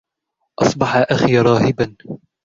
أصبح أخي راهبا